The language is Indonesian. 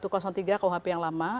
kalau hp yang lama